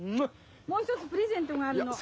もう一つプレゼントがあるの。